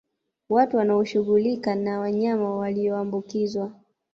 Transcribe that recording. Watu wanaoshughulika na wanyama walioambukizwa